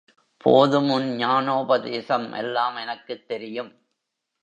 போதும் உன் ஞானோபதேசம் எல்லாம் எனக்குத் தெரியும்.